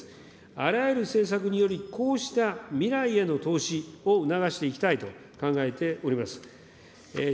あらゆる政策により、こうした未来への投資を促していきたいと考えております。